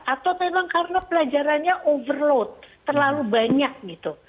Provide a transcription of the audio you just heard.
atau memang karena pelajarannya overload terlalu banyak gitu